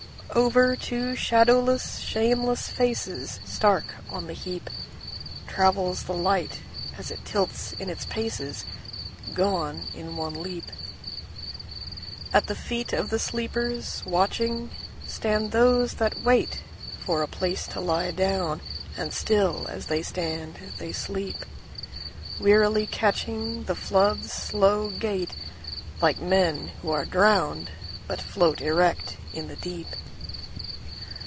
Over two shadowless, shameless facesStark on the heapTravels the light as it tilts in its pacesGone in one leap.At the feet of the sleepers, watching, Stand those that waitFor a place to lie down; and still as they stand, they sleep, Wearily catchingThe flood's slow gaitLike men who are drowned, but float erect in the deep.